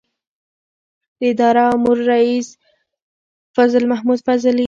د اداره امور رئیس فضل محمود فضلي